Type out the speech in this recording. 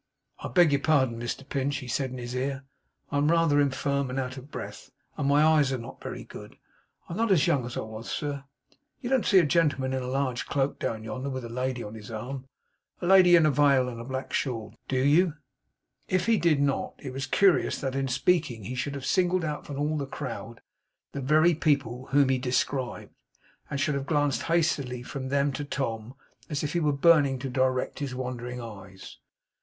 'I beg your pardon, Mr Pinch,' he said in his ear. 'I am rather infirm, and out of breath, and my eyes are not very good. I am not as young as I was, sir. You don't see a gentleman in a large cloak down yonder, with a lady on his arm; a lady in a veil and a black shawl; do you?' If HE did not, it was curious that in speaking he should have singled out from all the crowd the very people whom he described; and should have glanced hastily from them to Tom, as if he were burning to direct his wandering eyes.